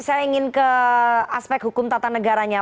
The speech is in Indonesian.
saya ingin ke aspek hukum tata negaranya